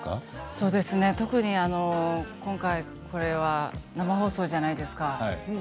そうですね、特に今回これは生放送じゃないですか。